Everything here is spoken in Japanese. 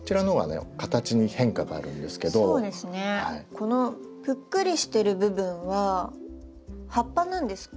このぷっくりしてる部分は葉っぱなんですか？